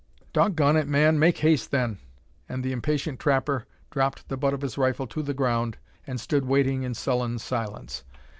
"Dog gone it, man! make haste, then!" and the impatient trapper dropped the butt of his rifle to the ground, and stood waiting in sullen silence.